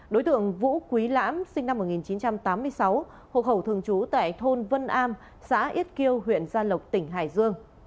đối tượng vũ quý lãm sinh năm một nghìn chín trăm tám mươi sáu hộ khẩu thường trú tại thôn vân am xã yết kiêu huyện gia lộc tỉnh hải dương